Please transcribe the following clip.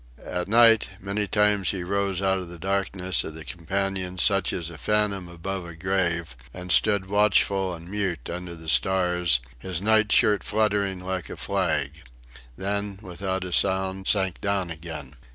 At night, many times he rose out of the darkness of the companion, such as a phantom above a grave, and stood watchful and mute under the stars, his night shirt fluttering like a flag then, without a sound, sank down again.